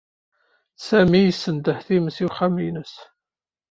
Sami yessendeḥ times i uxxam-nnes.